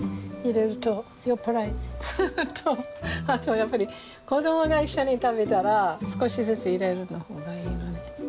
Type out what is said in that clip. やっぱり子供が一緒に食べたら少しずつ入れた方がいいのね。